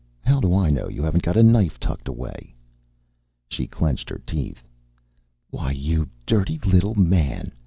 How do I know you haven't got a knife tucked away?" She clenched her teeth. "Why, you dirty little man!